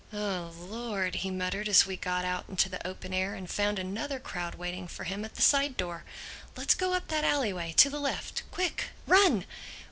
"Oh Lord!" he muttered as we got out into the open air and found another crowd waiting for him at the side door. "Let's go up that alleyway—to the left. Quick!—Run!"